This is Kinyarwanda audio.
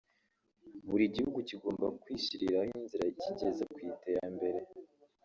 Buri gihugu kigomba kwishyiriraho inzira ikigeza ku iterambere